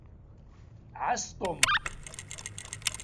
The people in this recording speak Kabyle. Ɛass Tom.